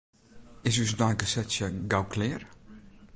Is ús neigesetsje gau klear?